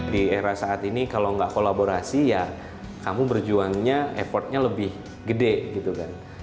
di era saat ini kalau nggak kolaborasi ya kamu berjuangnya effortnya lebih gede gitu kan